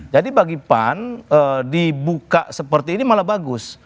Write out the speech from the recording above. jadi bagaimana dibuka seperti ini malah bagus